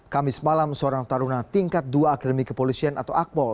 kamis malam seorang taruna tingkat dua akademi kepolisian atau akpol